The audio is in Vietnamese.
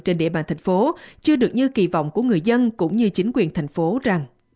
trên địa bàn thành phố chưa được như kỳ vọng của người dân cũng như chính quyền thành phố rằng